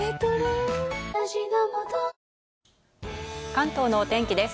関東のお天気です。